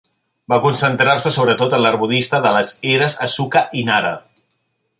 Va concentrar-se sobretot en l'art budista de les eres Asuka i Nara.